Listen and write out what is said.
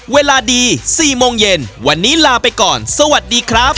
เวลาดี๔โมงเย็นวันนี้ลาไปก่อนสวัสดีครับ